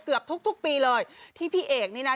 เกือบทุกปีเลยที่พี่เอกนี่นะ